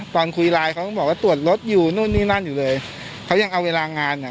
ตอนคุยไลน์เขาก็บอกว่าตรวจรถอยู่นู่นนี่นั่นอยู่เลยเขายังเอาเวลางานอ่ะ